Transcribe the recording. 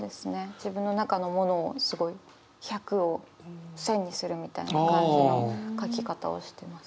自分の中のものをすごい１００を１，０００にするみたいな感じの書き方をしてます。